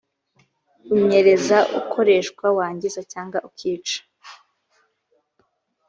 unyereza ukoresha wangiza cyangwa ukica